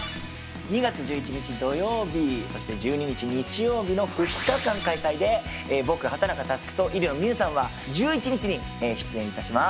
２月１１日土曜日そして１２日日曜日の２日間開催で僕畠中祐と入野自由さんは１１日に出演いたします。